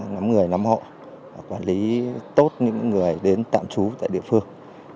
nắm người nắm hộ quản lý tốt những người đến tạm trú tại địa phương